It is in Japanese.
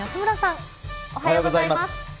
おはようございます。